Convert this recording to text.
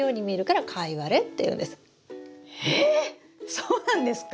そうなんですか？